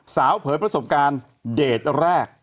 เผยประสบการณ์เดทแรก